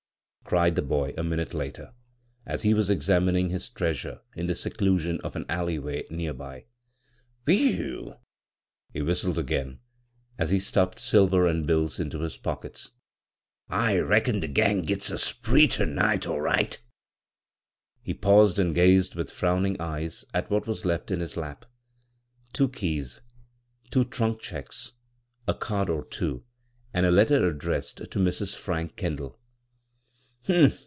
cried the boy a minute later, as he was examining his treasure in the seclusion of an alleyway near by. " Whew I " he whistled again, as he stufied silver and bills into his pockets ;" I reckon de gang gits a spree ter night aw right 1 " He paused, and gazed with frown ing eyes at what was left in his lap ; two keys, two trunk checks, a card or two, and a letter addressed to Mrs. Frank Kendall.